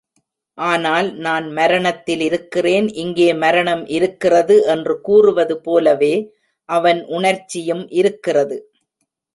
ஆனால், நான் மரணத்திலிருக்கிறேன் இங்கே மரணம் இருக்கிறது! என்று கூறுவது போலவே அவன் உணர்ச்சியும் இருக்கிறது.